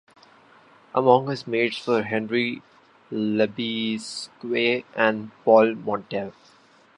Among his mates were Henri Lebesgue and Paul Montel.